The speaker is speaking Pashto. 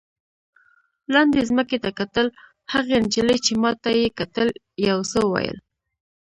لاندې ځمکې ته کتل، هغې نجلۍ چې ما ته یې کتل یو څه وویل.